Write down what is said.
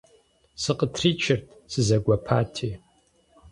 Сыкъытричырт, сызэгуэпати.